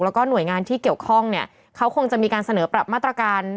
แล้วก็หน่วยงานที่เกี่ยวข้องเนี่ยเขาคงจะมีการเสนอปรับมาตรการ